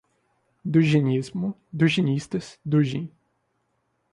Duginismo, duginistas, Dugin